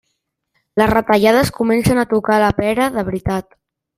Les retallades comencen a tocar la pera de veritat.